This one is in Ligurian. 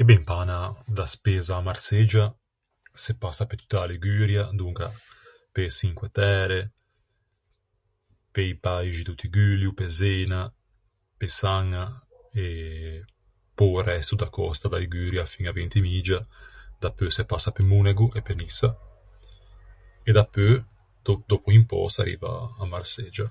E ben, pe anâ da Spezza à Marseggia se passa pe tutta a Liguria, donca pe-e Çinque Tære, pe-i paixi do Tigullio, pe Zena, pe Saña, e pe-o resto da còsta da Liguria fin à Ventemiggia. Dapeu se passa pe Monego e pe Nissa. E dapeu, dòp- dòppo un pö s'arriva à Marseggia.